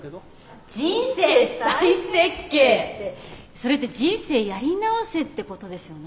それって人生やり直せってことですよね。